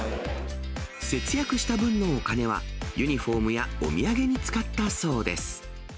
節約した分のお金は、ユニホームやお土産に使ったそうです。